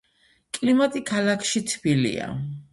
კლიმატი ქალაქში თბილია.